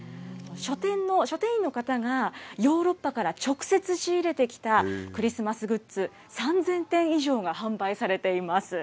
書店員の方がヨーロッパから直接仕入れてきたクリスマスグッズ３０００点以上が販売されています。